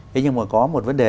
thế nhưng mà có một vấn đề